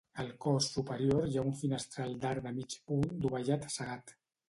Al cos superior hi ha un finestral d'arc de mig punt dovellat cegat.